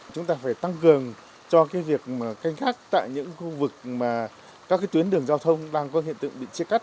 chúng ta phải tăng cường cho việc canh khắc tại những khu vực mà các tuyến đường giao thông đang có hiện tượng bị chia cắt